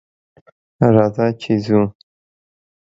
راځه ! چې ځو.